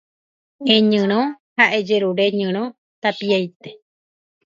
Eñyrõ ha ejerure ñyrõ tapiaite